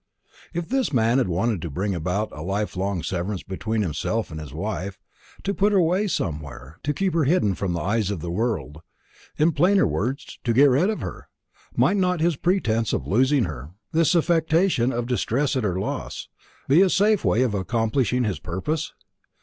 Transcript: If this man had wanted to bring about a life long severance between himself and his wife, to put her away somewhere, to keep her hidden from the eyes of the world in plainer words, to get rid of her might not this pretence of losing her, this affectation of distress at her loss, be a safe way of accomplishing his purpose?